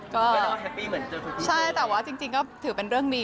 ก็ใช่แต่ว่าจริงก็ถือเป็นเรื่องดี